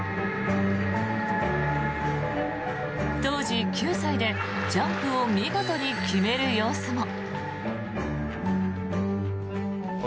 当時、９歳でジャンプを見事に決める様子も。